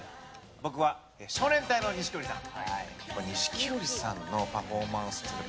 僕は、少年隊の錦織さん。